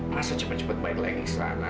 masa cepet cepet balik lagi ke sana